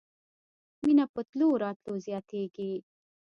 مينه په تلو راتلو زياتېږي.